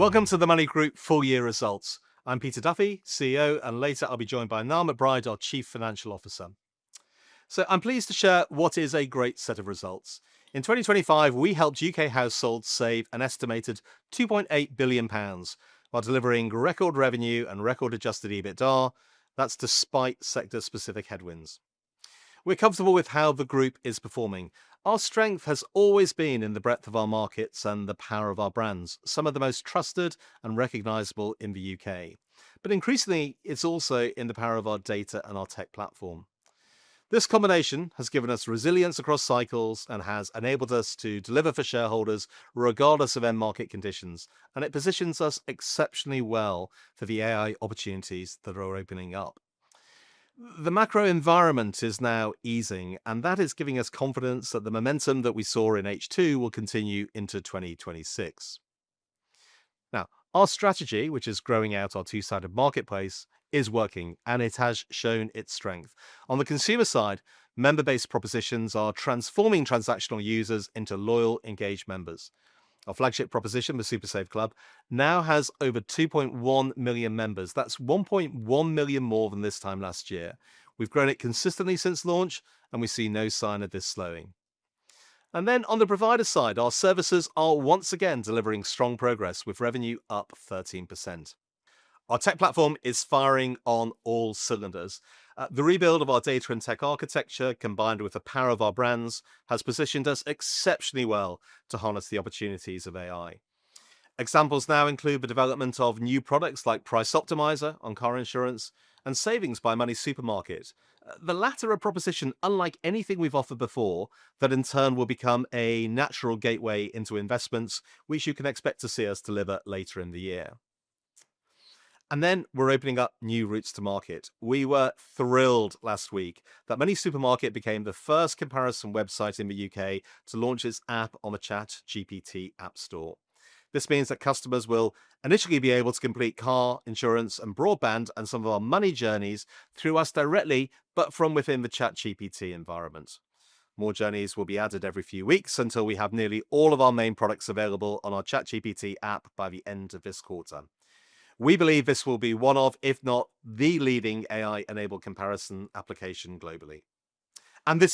Welcome to the MONY Group Full-year results. I'm Peter Duffy, CEO. Later I'll be joined by Niall McBride, our Chief Financial Officer. I'm pleased to share what is a great set of results. In 2025, we helped U.K. households save an estimated 2.8 billion pounds, while delivering record revenue and record adjusted EBITDA. That's despite sector-specific headwinds. We're comfortable with how the group is performing. Our strength has always been in the breadth of our markets and the power of our brands, some of the most trusted and recognizable in the U.K. Increasingly, it's also in the power of our data and our tech platform. This combination has given us resilience across cycles and has enabled us to deliver for shareholders, regardless of end market conditions. It positions us exceptionally well for the AI opportunities that are opening up. The macro environment is now easing, that is giving us confidence that the momentum that we saw in H2 will continue into 2026. Our strategy, which is growing out our two-sided marketplace, is working, it has shown its strength. On the consumer side, member-based propositions are transforming transactional users into loyal, engaged members. Our flagship proposition, the SuperSaveClub, now has over 2.1 million members. That's 1.1 million more than this time last year. We've grown it consistently since launch, we see no sign of this slowing. On the provider side, our services are once again delivering strong progress, with revenue up 13%. Our tech platform is firing on all cylinders. The rebuild of our data and tech architecture, combined with the power of our brands, has positioned us exceptionally well to harness the opportunities of AI. Examples now include the development of new products like Price Optimizer on car insurance and Savings by MoneySuperMarket. The latter, a proposition unlike anything we've offered before, that in turn will become a natural gateway into investments, which you can expect to see us deliver later in the year. Then we're opening up new routes to market. We were thrilled last week that MoneySuperMarket became the first comparison website in the U.K. to launch its app on the ChatGPT App Store. This means that customers will initially be able to complete car, insurance, and broadband, and some of our money journeys through us directly, but from within the ChatGPT environment. More journeys will be added every few weeks until we have nearly all of our main products available on our ChatGPT app by the end of this quarter. This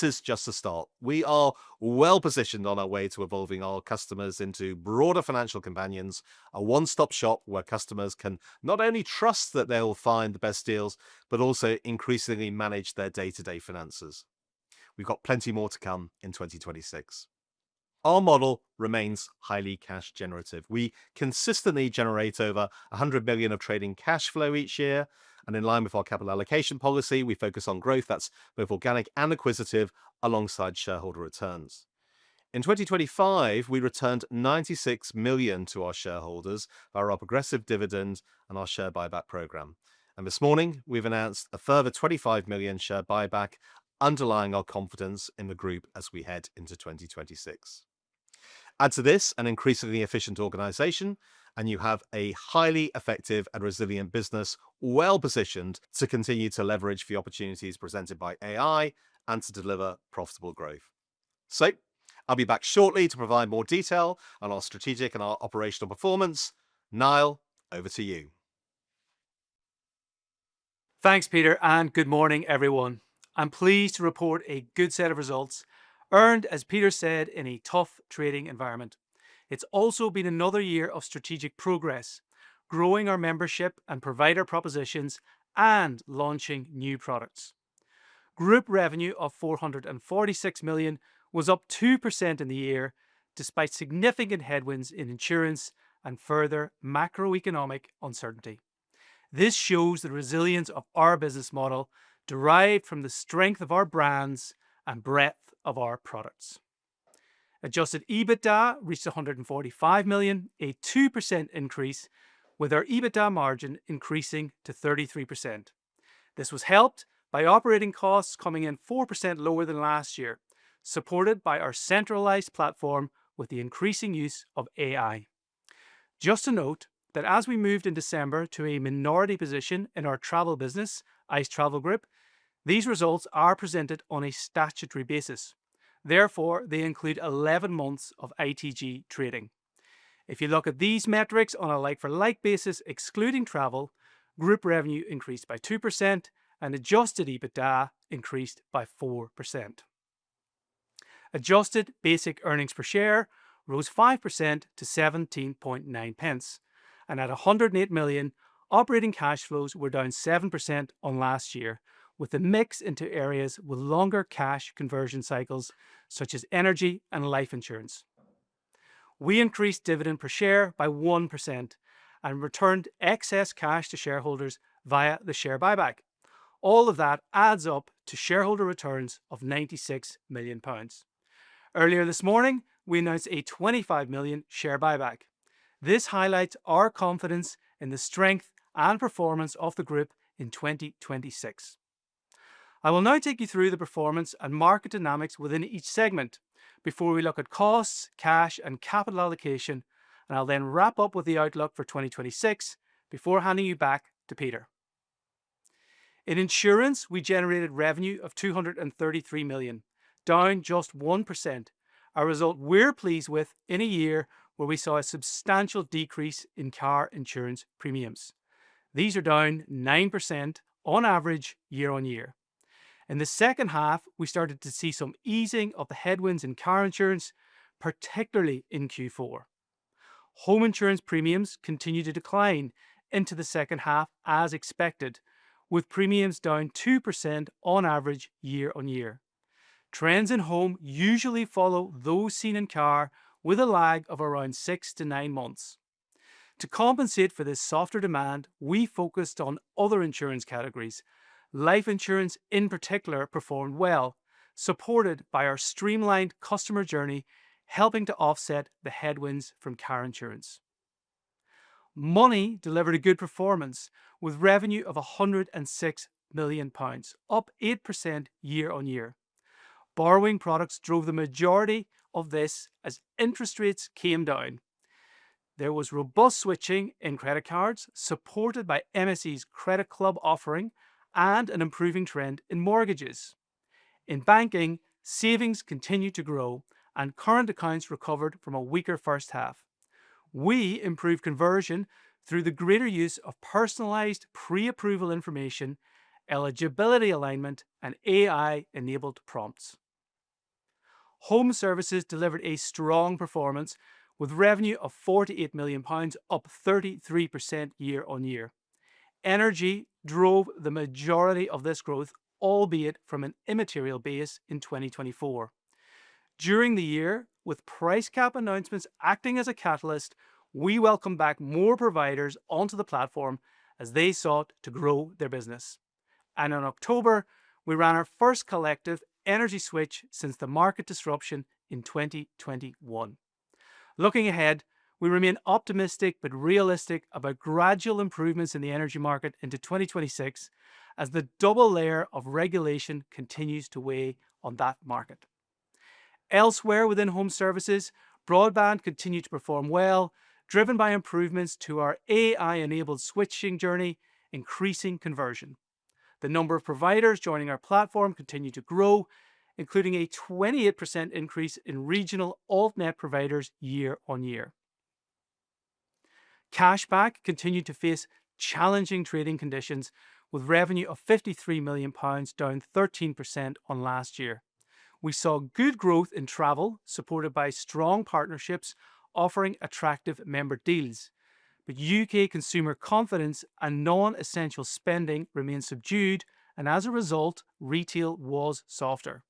is just a start. We are well-positioned on our way to evolving our customers into broader financial companions, a one-stop shop where customers can not only trust that they will find the best deals, but also increasingly manage their day-to-day finances. We've got plenty more to come in 2026. Our model remains highly cash generative. We consistently generate over 100 million of trading cash flow each year, and in line with our capital allocation policy, we focus on growth, that's both organic and acquisitive, alongside shareholder returns. In 2025, we returned 96 million to our shareholders via our progressive dividend and our share buyback program. This morning, we've announced a further 25 million share buyback, underlying our confidence in the group as we head into 2026. Add to this an increasingly efficient organization, you have a highly effective and resilient business, well-positioned to continue to leverage the opportunities presented by AI and to deliver profitable growth. I'll be back shortly to provide more detail on our strategic and our operational performance. Niall, over to you. Thanks, Peter. Good morning, everyone. I'm pleased to report a good set of results earned, as Peter said, in a tough trading environment. It's also been another year of strategic progress, growing our membership and provider propositions, and launching new products. Group revenue of 446 million was up 2% in the year, despite significant headwinds in insurance and further macroeconomic uncertainty. This shows the resilience of our business model, derived from the strength of our brands and breadth of our products. Adjusted EBITDA reached 145 million, a 2% increase, with our EBITDA margin increasing to 33%. This was helped by operating costs coming in 4% lower than last year, supported by our centralized platform with the increasing use of AI. Just to note that as we moved in December to a minority position in our travel business, Ice Travel Group, these results are presented on a statutory basis. Therefore, they include 11 months of ITG trading. If you look at these metrics on a like-for-like basis, excluding travel, group revenue increased by 2% and adjusted EBITDA increased by 4%. Adjusted basic earnings per share rose 5% to 17.9 pence, and at 108 million, operating cash flows were down 7% on last year, with the mix into areas with longer cash conversion cycles, such as energy and life insurance. We increased dividend per share by 1% and returned excess cash to shareholders via the share buyback. All of that adds up to shareholder returns of 96 million pounds. Earlier this morning, we announced a 25 million share buyback. This highlights our confidence in the strength and performance of the group in 2026. I will now take you through the performance and market dynamics within each segment before we look at costs, cash, and capital allocation. I'll then wrap up with the outlook for 2026 before handing you back to Peter. In insurance, we generated revenue of 233 million, down just 1%, a result we're pleased with in a year where we saw a substantial decrease in car insurance premiums. These are down 9% on average, year-on-year. In the second half, we started to see some easing of the headwinds in car insurance, particularly in Q4. Home insurance premiums continued to decline into the second half, as expected, with premiums down 2% on average, year-on-year. Trends in home usually follow those seen in car, with a lag of around 6-9 months. To compensate for this softer demand, we focused on other insurance categories. Life insurance, in particular, performed well, supported by our streamlined customer journey, helping to offset the headwinds from car insurance. Money delivered a good performance, with revenue of 106 million pounds, up 8% year-over-year. Borrowing products drove the majority of this as interest rates came down. There was robust switching in credit cards, supported by MSE's Credit Club offering and an improving trend in mortgages. In banking, savings continued to grow, and current accounts recovered from a weaker first half. We improved conversion through the greater use of personalized pre-approval information, eligibility alignment, and AI-enabled prompts. Home services delivered a strong performance, with revenue of 48 million pounds, up 33% year-over-year. Energy drove the majority of this growth, albeit from an immaterial base in 2024. During the year, with price cap announcements acting as a catalyst, we welcomed back more providers onto the platform as they sought to grow their business. In October, we ran our first collective energy switch since the market disruption in 2021. Looking ahead, we remain optimistic but realistic about gradual improvements in the energy market into 2026 as the double layer of regulation continues to weigh on that market. Elsewhere within home services, broadband continued to perform well, driven by improvements to our AI-enabled switching journey, increasing conversion. The number of providers joining our platform continued to grow, including a 28% increase in regional Altnet providers year-over-year. Cashback continued to face challenging trading conditions, with revenue of 53 million pounds, down 13% on last year. We saw good growth in travel, supported by strong partnerships offering attractive member deals, but U.K. consumer confidence and non-essential spending remained subdued, and as a result, retail was softer.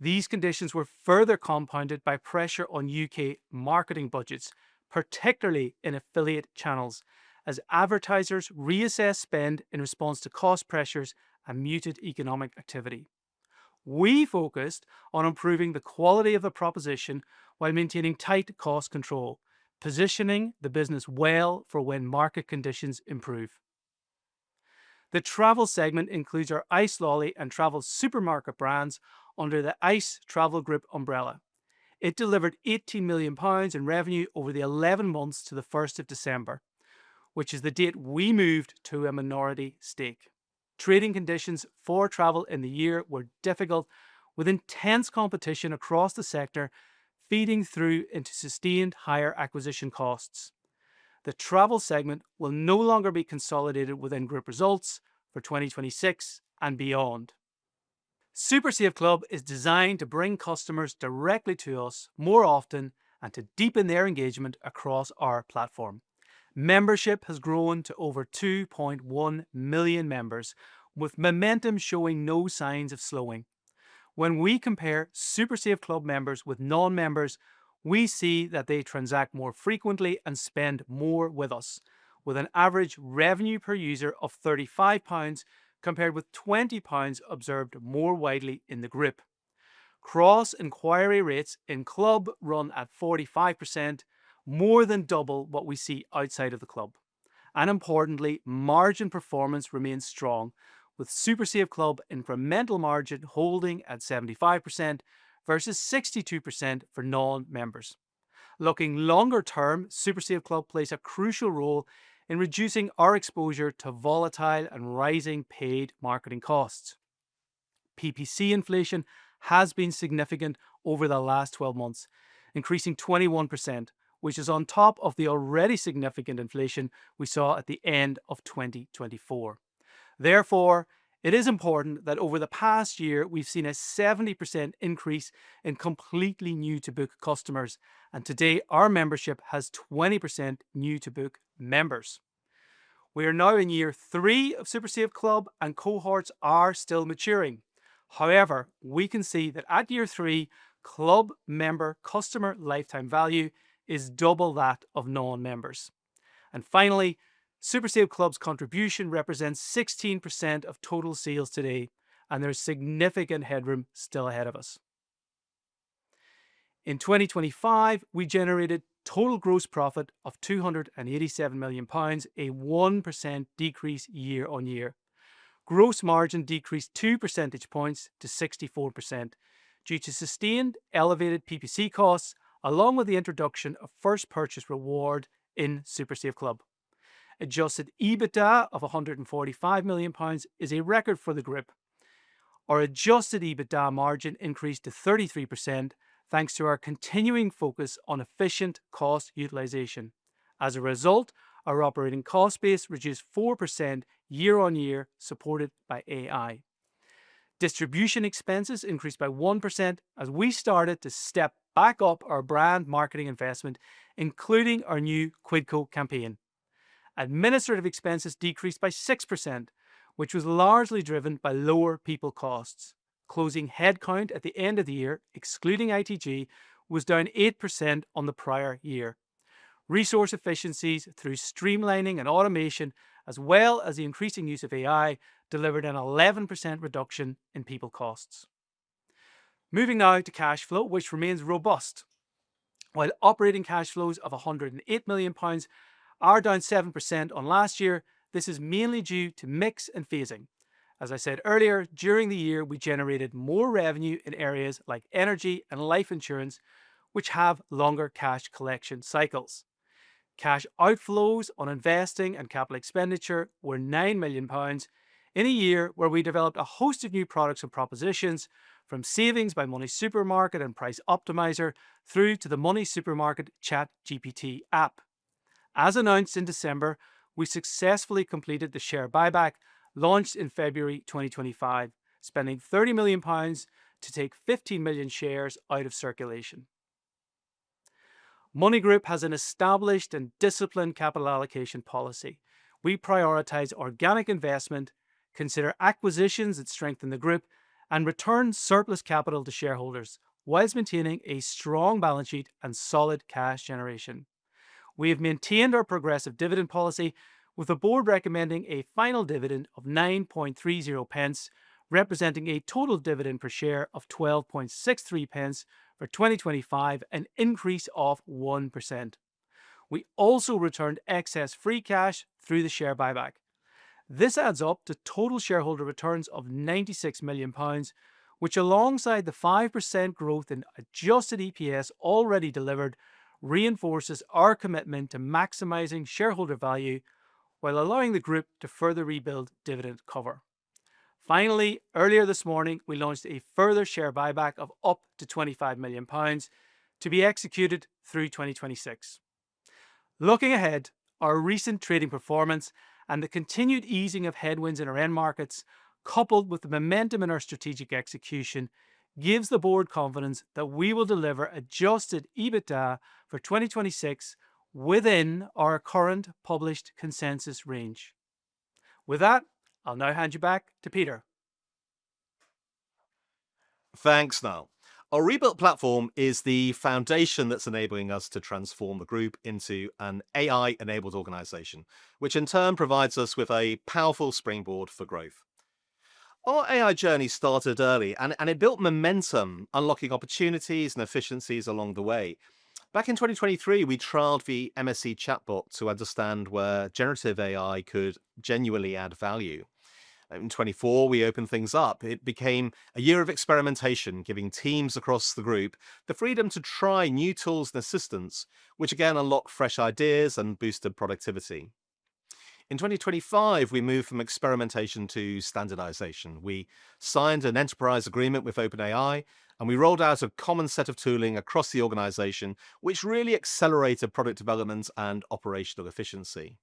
These conditions were further compounded by pressure on U.K. marketing budgets, particularly in affiliate channels, as advertisers reassessed spend in response to cost pressures and muted economic activity. We focused on improving the quality of the proposition while maintaining tight cost control, positioning the business well for when market conditions improve. The travel segment includes our icelolly.com and TravelSupermarket brands under the Ice Travel Group umbrella. It delivered 18 million pounds in revenue over the 11 months to December 1st, which is the date we moved to a minority stake. Trading conditions for travel in the year were difficult, with intense competition across the sector feeding through into sustained higher acquisition costs. The travel segment will no longer be consolidated within group results for 2026 and beyond. SuperSaveClub is designed to bring customers directly to us more often and to deepen their engagement across our platform. Membership has grown to over 2.1 million members, with momentum showing no signs of slowing. When we compare SuperSaveClub members with non-members, we see that they transact more frequently and spend more with us, with an average revenue per user of 35 pounds, compared with 20 pounds observed more widely in the group. Cross inquiry rates in Club run at 45%, more than double what we see outside of the club. Importantly, margin performance remains strong, with SuperSaveClub incremental margin holding at 75% versus 62% for non-members. Looking longer term, SuperSaveClub plays a crucial role in reducing our exposure to volatile and rising paid marketing costs. PPC inflation has been significant over the last 12 months, increasing 21%, which is on top of the already significant inflation we saw at the end of 2024. Therefore, it is important that over the past year we've seen a 70% increase in completely new-to-book customers, and today, our membership has 20% new-to-book members. We are now in year three of SuperSaveClub. Cohorts are still maturing. However, we can see that at year three, Club member customer lifetime value is double that of non-members. Finally, SuperSaveClub's contribution represents 16% of total sales today, and there's significant headroom still ahead of us. In 2025, we generated total gross profit of 287 million pounds, a 1% decrease year-over-year. Gross margin decreased 2 percentage points to 64% due to sustained elevated PPC costs, along with the introduction of first purchase reward in SuperSaveClub. Adjusted EBITDA of 145 million pounds is a record for the group. Our adjusted EBITDA margin increased to 33%, thanks to our continuing focus on efficient cost utilization. As a result, our operating cost base reduced 4% year-over-year, supported by AI. Distribution expenses increased by 1% as we started to step back up our brand marketing investment, including our new Quidco campaign. Administrative expenses decreased by 6%, which was largely driven by lower people costs. Closing headcount at the end of the year, excluding ITG, was down 8% on the prior year. Resource efficiencies through streamlining and automation, as well as the increasing use of AI, delivered an 11% reduction in people costs. Moving now to cash flow, which remains robust. While operating cash flows of 108 million pounds are down 7% on last year, this is mainly due to mix and phasing. As I said earlier, during the year, we generated more revenue in areas like energy and life insurance, which have longer cash collection cycles. Cash outflows on investing and capital expenditure were 9 million pounds in a year where we developed a host of new products and propositions, from Savings by MoneySuperMarket and Price Optimizer through to the MoneySuperMarket ChatGPT app. As announced in December, we successfully completed the share buyback, launched in February 2025, spending 30 million pounds to take 15 million shares out of circulation. MONY Group has an established and disciplined capital allocation policy. We prioritize organic investment, consider acquisitions that strengthen the group, and return surplus capital to shareholders whilst maintaining a strong balance sheet and solid cash generation. We have maintained our progressive dividend policy with the board recommending a final dividend of 9.30 pence, representing a total dividend per share of 12.63 pence for 2025, an increase of 1%. We also returned excess free cash through the share buyback. This adds up to total shareholder returns of GBP 96 million, which, alongside the 5% growth in adjusted EPS already delivered, reinforces our commitment to maximizing shareholder value while allowing the group to further rebuild dividend cover. Finally, earlier this morning, we launched a further share buyback of up to 25 million pounds to be executed through 2026. Looking ahead, our recent trading performance and the continued easing of headwinds in our end markets, coupled with the momentum in our strategic execution, gives the board confidence that we will deliver adjusted EBITDA for 2026 within our current published consensus range. With that, I'll now hand you back to Peter. Thanks, Niall. Our rebuild platform is the foundation that's enabling us to transform the group into an AI-enabled organization, which in turn provides us with a powerful springboard for growth. Our AI journey started early, and it built momentum, unlocking opportunities and efficiencies along the way. Back in 2023, we trialed the MSE chatbot to understand where generative AI could genuinely add value. In 2024, we opened things up. It became a year of experimentation, giving teams across the group the freedom to try new tools and assistants, which again unlocked fresh ideas and boosted productivity. In 2025, we moved from experimentation to standardization. We signed an enterprise agreement with OpenAI, we rolled out a common set of tooling across the organization, which really accelerated product development and operational efficiency.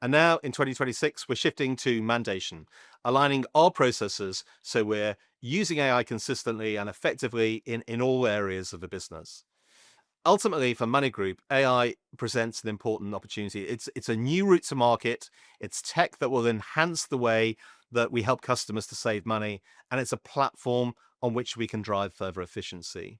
Now, in 2026, we're shifting to mandation, aligning our processes, so we're using AI consistently and effectively in all areas of the business. Ultimately, for MONY Group, AI presents an important opportunity. It's a new route to market, it's tech that will enhance the way that we help customers to save money, and it's a platform on which we can drive further efficiency.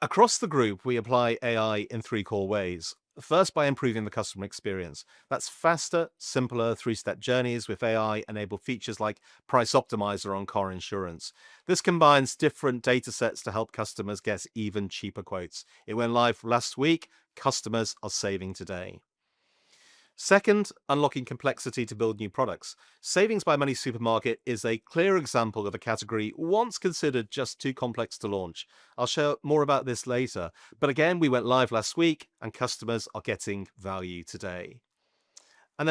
Across the group, we apply AI in three core ways. First, by improving the customer experience. That's faster, simpler, three-step journeys with AI-enabled features like Price Optimizer on car insurance. This combines different data sets to help customers get even cheaper quotes. It went live last week. Customers are saving today. Second, unlocking complexity to build new products. Savings by MoneySuperMarket is a clear example of a category once considered just too complex to launch. I'll share more about this later. Again, we went live last week, and customers are getting value today.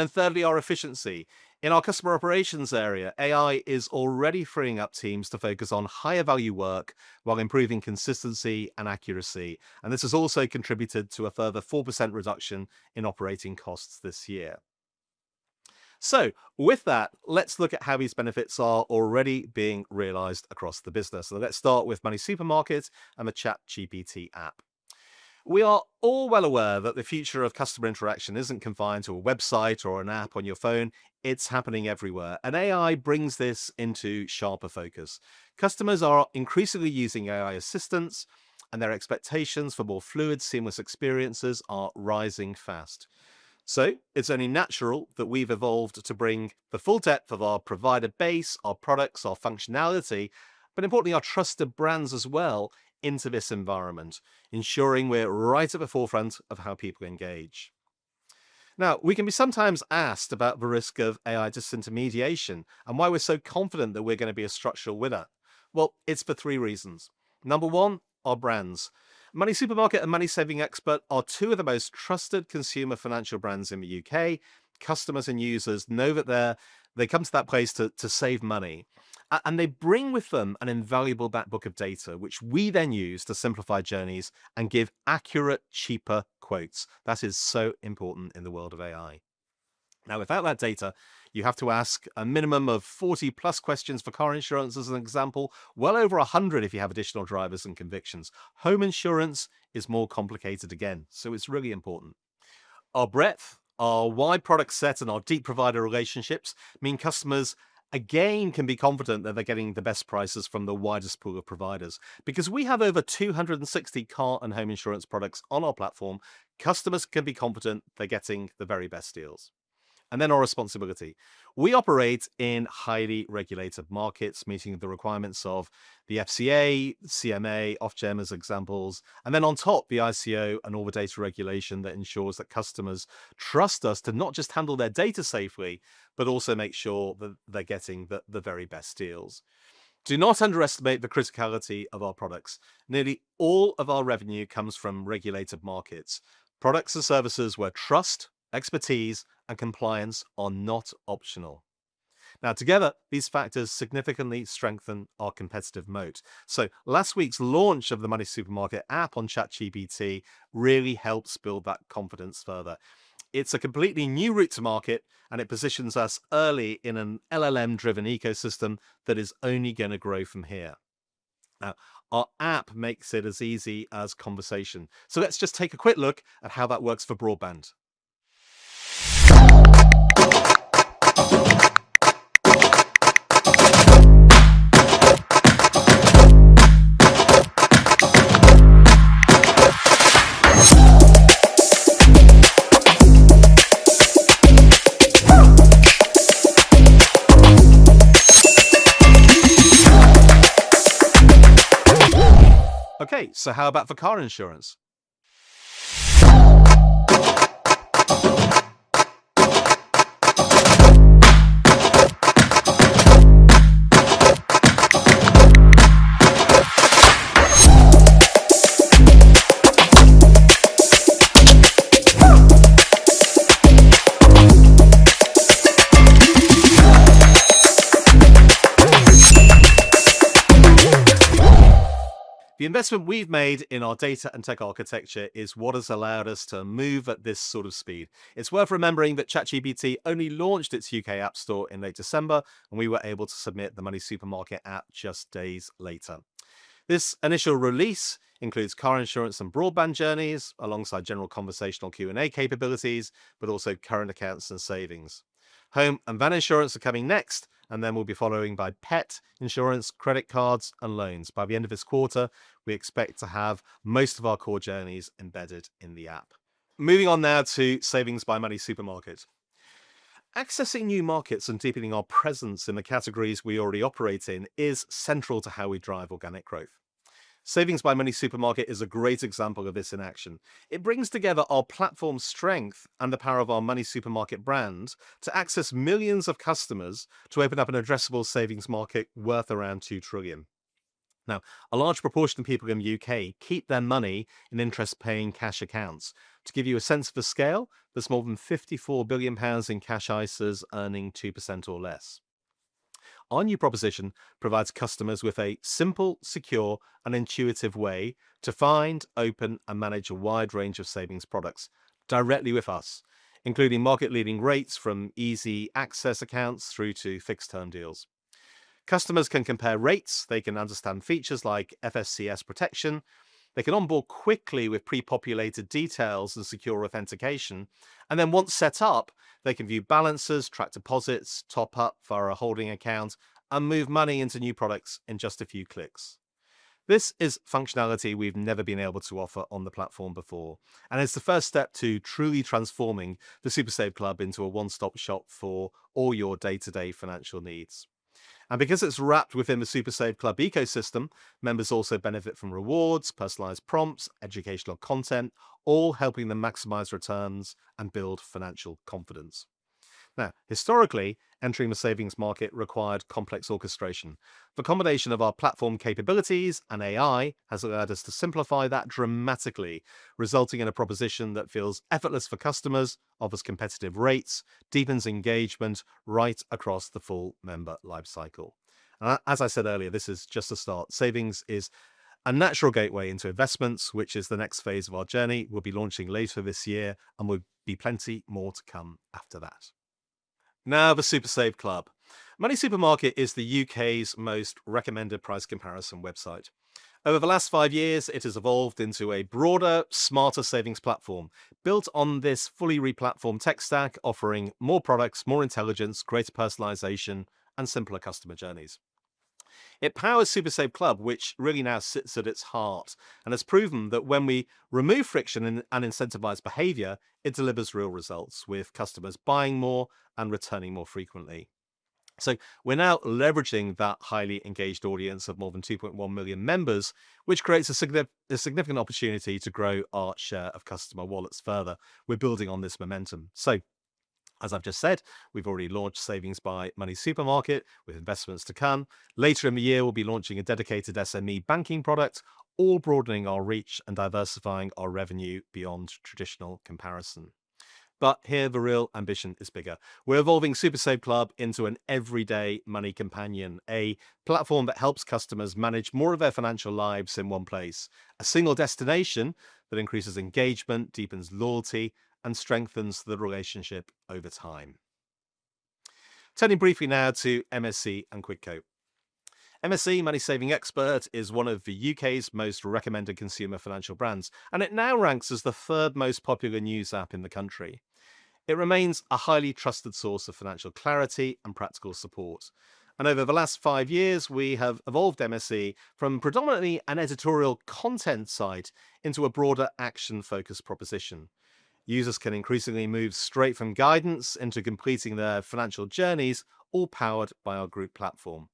Thirdly, our efficiency. In our customer operations area, AI is already freeing up teams to focus on higher value work while improving consistency and accuracy. This has also contributed to a further 4% reduction in operating costs this year. With that, let's look at how these benefits are already being realized across the business. Let's start with MoneySuperMarket and the ChatGPT app. We are all well aware that the future of customer interaction isn't confined to a website or an app on your phone; it's happening everywhere. AI brings this into sharper focus. Customers are increasingly using AI assistants. Their expectations for more fluid, seamless experiences are rising fast. It's only natural that we've evolved to bring the full depth of our provider base, our products, our functionality, but importantly, our trusted brands as well into this environment, ensuring we're right at the forefront of how people engage. Now, we can be sometimes asked about the risk of AI disintermediation and why we're so confident that we're gonna be a structural winner. Well, it's for three reasons. Number one, our brands. MoneySuperMarket and MoneySavingExpert are two of the most trusted consumer financial brands in the U.K. Customers and users know that they come to that place to save money, and they bring with them an invaluable backbook of data, which we then use to simplify journeys and give accurate, cheaper quotes. That is so important in the world of AI. Now, without that data, you have to ask a minimum of 40-plus questions for car insurance, as an example, well over 100 if you have additional drivers and convictions. Home insurance is more complicated again, it's really important. Our breadth, our wide product set, and our deep provider relationships mean customers, again, can be confident that they're getting the best prices from the widest pool of providers. Because we have over 260 car and home insurance products on our platform, customers can be confident they're getting the very best deals. Then our responsibility. We operate in highly regulated markets, meeting the requirements of the FCA, CMA, Ofgem, as examples, then on top, the ICO and all the data regulation that ensures that customers trust us to not just handle their data safely, but also make sure that they're getting the very best deals. Do not underestimate the criticality of our products. Nearly all of our revenue comes from regulated markets, products and services where trust, expertise, and compliance are not optional. Together, these factors significantly strengthen our competitive moat. Last week's launch of the MoneySuperMarket app on ChatGPT really helps build that confidence further. It's a completely new route to market, it positions us early in an LLM-driven ecosystem that is only going to grow from here. Our app makes it as easy as conversation. Let's just take a quick look at how that works for broadband. Okay, how about for car insurance? The investment we've made in our data and tech architecture is what has allowed us to move at this sort of speed. It's worth remembering that ChatGPT only launched its U.K. app store in late December, and we were able to submit the MoneySuperMarket app just days later. This initial release includes car insurance and broadband journeys, alongside general conversational Q&A capabilities, but also current accounts and savings. Home and van insurance are coming next, and then we'll be following by pet insurance, credit cards, and loans. By the end of this quarter, we expect to have most of our core journeys embedded in the app. Moving on now to Savings by MoneySuperMarket. Accessing new markets and deepening our presence in the categories we already operate in is central to how we drive organic growth. Savings by MoneySuperMarket is a great example of this in action. It brings together our platform strength and the power of our MoneySuperMarket brand to access millions of customers to open up an addressable savings market worth around 2 trillion. A large proportion of people in the U.K. keep their money in interest-paying cash accounts. To give you a sense of the scale, there's more than 54 billion pounds in cash ISAs earning 2% or less. Our new proposition provides customers with a simple, secure, and intuitive way to find, open, and manage a wide range of savings products directly with us, including market-leading rates from easy access accounts through to fixed-term deals. Customers can compare rates, they can understand features like FSCS protection, they can onboard quickly with pre-populated details and secure authentication, once set up, they can view balances, track deposits, top up for a holding account, and move money into new products in just a few clicks. This is functionality we've never been able to offer on the platform before. It's the first step to truly transforming the SuperSaveClub into a one-stop shop for all your day-to-day financial needs. Because it's wrapped within the SuperSaveClub ecosystem, members also benefit from rewards, personalized prompts, educational content, all helping them maximize returns and build financial confidence. Historically, entering the savings market required complex orchestration. The combination of our platform capabilities and AI has allowed us to simplify that dramatically, resulting in a proposition that feels effortless for customers, offers competitive rates, deepens engagement right across the full member life cycle. As I said earlier, this is just a start. Savings is a natural gateway into investments, which is the next phase of our journey. We'll be launching later this year, and will be plenty more to come after that. The SuperSaveClub. MoneySuperMarket is the U.K.'s most recommended price comparison website. Over the last five years, it has evolved into a broader, smarter savings platform, built on this fully re-platformed tech stack, offering more products, more intelligence, greater personalization, and simpler customer journeys. It powers SuperSaveClub, which really now sits at its heart, and has proven that when we remove friction and incentivize behavior, it delivers real results with customers buying more and returning more frequently. We're now leveraging that highly engaged audience of more than 2.1 million members, which creates a significant opportunity to grow our share of customer wallets further. We're building on this momentum. As I've just said, we've already launched Savings by MoneySuperMarket, with investments to come. Later in the year, we'll be launching a dedicated SME banking product, all broadening our reach and diversifying our revenue beyond traditional comparison. Here, the real ambition is bigger. We're evolving SuperSaveClub into an everyday money companion, a platform that helps customers manage more of their financial lives in one place. A single destination that increases engagement, deepens loyalty, and strengthens the relationship over time. Turning briefly now to MSE and Quidco. MSE, MoneySavingExpert, is one of the U.K.'s most recommended consumer financial brands, and it now ranks as the third most popular news app in the country. It remains a highly trusted source of financial clarity and practical support. Over the last 5 years, we have evolved MSE from predominantly an editorial content site into a broader action-focused proposition. Users can increasingly move straight from guidance into completing their financial journeys, all powered by our group platform.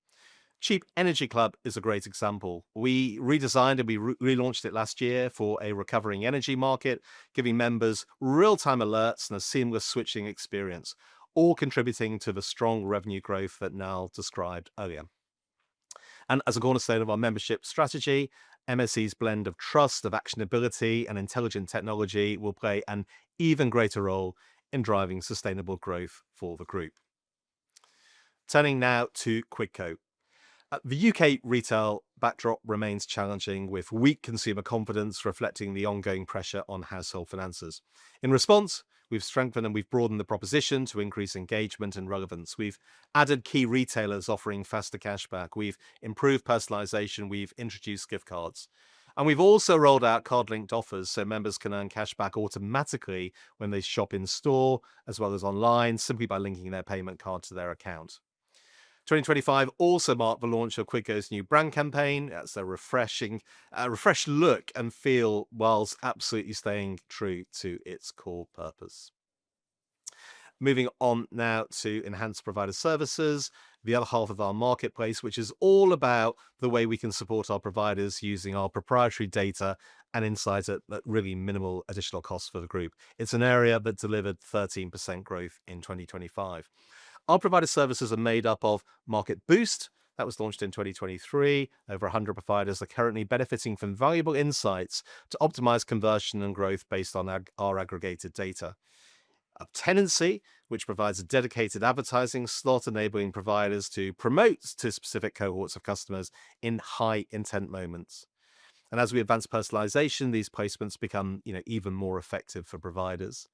Cheap Energy Club is a great example. We redesigned and we relaunched it last year for a recovering energy market, giving members real-time alerts and a seamless switching experience, all contributing to the strong revenue growth that Niall described earlier. As a cornerstone of our membership strategy, MSE's blend of trust, of actionability, and intelligent technology will play an even greater role in driving sustainable growth for the group. Turning now to Quidco. The U.K. retail backdrop remains challenging, with weak consumer confidence reflecting the ongoing pressure on household finances. In response, we've strengthened and we've broadened the proposition to increase engagement and relevance. We've added key retailers offering faster cashback, we've improved personalization, we've introduced gift cards, and we've also rolled out card-linked offers, so members can earn cashback automatically when they shop in store as well as online, simply by linking their payment card to their account. 2025 also marked the launch of Quidco's new brand campaign. It's a refreshing, refreshed look and feel, while absolutely staying true to its core purpose. Moving on now to enhanced provider services, the other half of our marketplace, which is all about the way we can support our providers using our proprietary data and insights at really minimal additional cost for the group. It's an area that delivered 13% growth in 2025. Our provider services are made up of Market Boost, that was launched in 2023. Over 100 providers are currently benefiting from valuable insights to optimize conversion and growth based on our aggregated data. Tenancy, which provides a dedicated advertising slot, enabling providers to promote to specific cohorts of customers in high intent moments, as we advance personalization, these placements become, you know, even more effective for providers.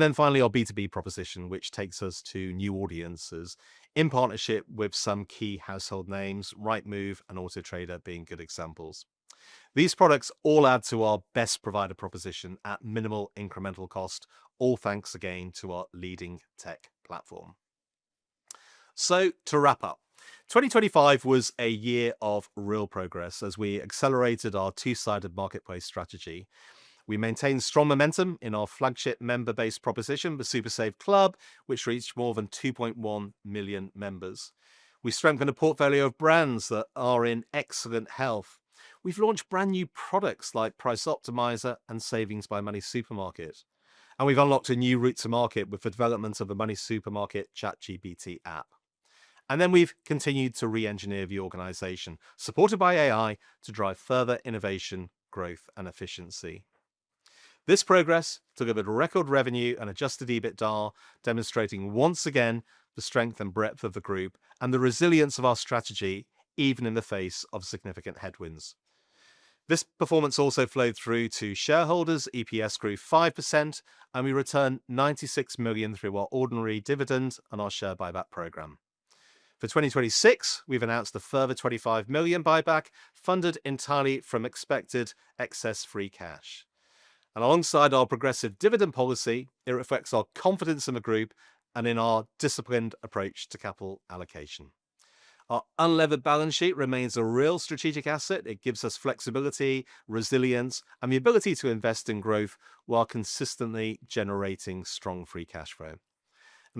Then finally, our B2B proposition, which takes us to new audiences in partnership with some key household names, Rightmove and Auto Trader being good examples. These products all add to our best provider proposition at minimal incremental cost, all thanks again to our leading tech platform. To wrap up, 2025 was a year of real progress as we accelerated our two-sided marketplace strategy. We maintained strong momentum in our flagship member-based proposition, the SuperSaveClub, which reached more than 2.1 million members. We strengthened a portfolio of brands that are in excellent health. We've launched brand-new products like Price Optimizer and Savings by MoneySuperMarket, and we've unlocked a new route to market with the development of the MoneySuperMarket ChatGPT app. We've continued to re-engineer the organization, supported by AI, to drive further innovation, growth, and efficiency. This progress delivered record revenue and adjusted EBITDA, demonstrating once again the strength and breadth of the group and the resilience of our strategy, even in the face of significant headwinds. This performance also flowed through to shareholders. EPS grew 5%, and we returned 96 million through our ordinary dividend and our share buyback program. For 2026, we've announced a further 25 million buyback, funded entirely from expected excess free cash. Alongside our progressive dividend policy, it reflects our confidence in the group and in our disciplined approach to capital allocation. Our unlevered balance sheet remains a real strategic asset. It gives us flexibility, resilience, and the ability to invest in growth while consistently generating strong free cash flow.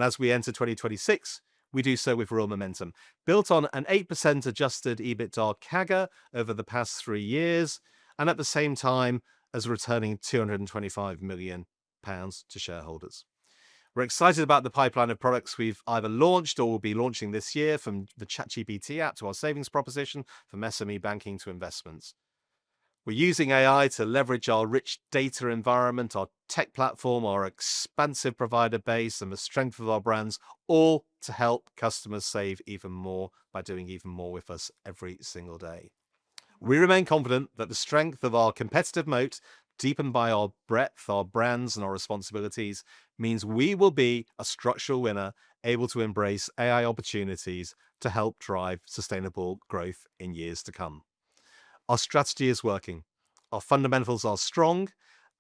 As we enter 2026, we do so with real momentum, built on an 8% adjusted EBITDA CAGR over the past three years, and at the same time as returning 225 million pounds to shareholders. We're excited about the pipeline of products we've either launched or will be launching this year, from the ChatGPT App to our savings proposition, from SME banking to investments. We're using AI to leverage our rich data environment, our tech platform, our expansive provider base, and the strength of our brands, all to help customers save even more by doing even more with us every single day. We remain confident that the strength of our competitive moat, deepened by our breadth, our brands, and our responsibilities, means we will be a structural winner, able to embrace AI opportunities to help drive sustainable growth in years to come. Our strategy is working, our fundamentals are strong,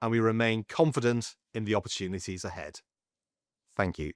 we remain confident in the opportunities ahead. Thank you.